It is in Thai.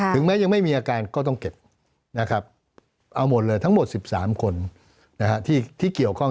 แม้ยังไม่มีอาการก็ต้องเก็บนะครับเอาหมดเลยทั้งหมด๑๓คนที่เกี่ยวข้อง